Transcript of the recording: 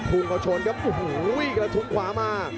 พงเค้าชนกับอู้โหยกระทุนขวามา